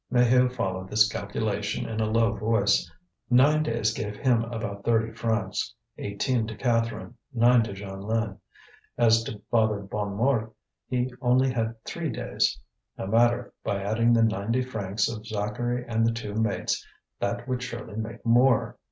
Maheu followed this calculation in a low voice: nine days gave him about thirty francs, eighteen to Catherine, nine to Jeanlin. As to Father Bonnemort, he only had three days. No matter, by adding the ninety francs of Zacharie and the two mates, that would surely make more.